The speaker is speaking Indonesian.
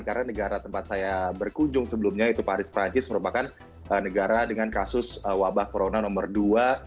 karena negara tempat saya berkunjung sebelumnya itu paris perancis merupakan negara dengan kasus wabah corona nomor dua